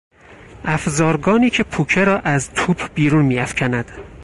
افزارگانی که پوکه را از توپ بیرون میافکند